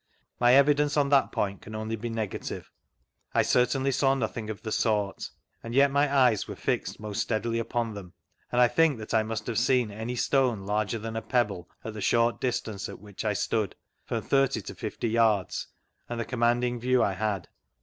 My evidence on that point can only be negative 1 certainly saw nothing of the sort, and yet my eyes were fixed most steadily upon them, and I think that I must have seen any stone larger than a pebble at the short distance at which I stood (from thirty to fifty yards) and the commanding view I had.